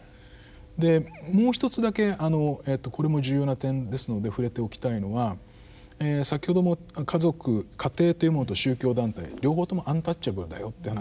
でもうひとつだけこれも重要な点ですので触れておきたいのが先ほども家族家庭というものと宗教団体両方ともアンタッチャブルだよっていう話をしました。